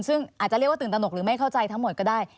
ซึ่งอาจจะเรียกว่าตื่นตนกหรือไม่เข้าใจทั้งหมดก็ได้